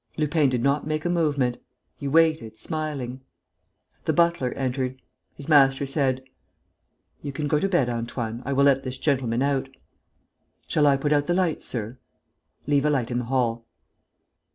Lupin did not make a movement. He waited smiling. The butler entered. His master said: "You can go to bed, Antoine. I will let this gentleman out." "Shall I put out the lights, sir?" "Leave a light in the hall."